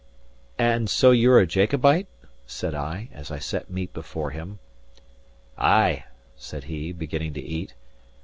"And so you're a Jacobite?" said I, as I set meat before him. "Ay," said he, beginning to eat.